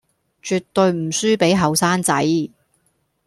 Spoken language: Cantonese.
絕對唔輸畀後生仔